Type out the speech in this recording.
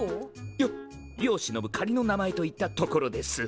よ世をしのぶ仮の名前といったところです。